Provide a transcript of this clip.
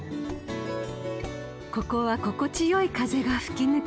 ［ここは心地よい風が吹き抜け